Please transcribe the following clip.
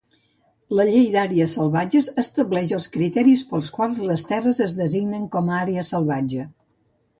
La Llei d'Àrees Salvatges estableix els criteris pels quals les terres es designen com a àrea salvatge.